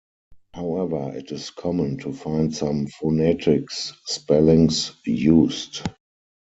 However, it is common to find some phonetics spellings used.